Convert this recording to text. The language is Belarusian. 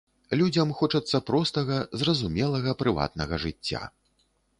Людзям хочацца простага, зразумелага, прыватнага жыцця.